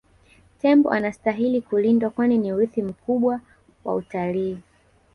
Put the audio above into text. tembo anastahili kulindwa kwani ni urithi mkubwa wa utalii